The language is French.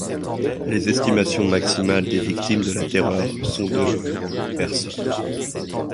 Les estimations maximales des victimes de la terreur sont de personnes.